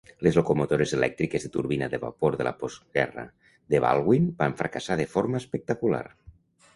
Les locomotores elèctriques de turbina de vapor de la postguerra de Baldwin van fracassar de forma espectacular.